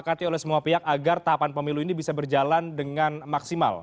dikati oleh semua pihak agar tahapan pemilu ini bisa berjalan dengan maksimal